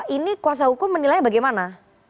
ini kuasa hukum menilai bagaimana